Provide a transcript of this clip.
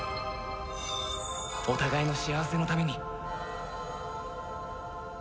お互いの幸せのために。